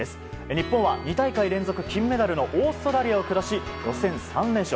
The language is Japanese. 日本は２大会連続金メダルのオーストラリアを下し予選３連勝。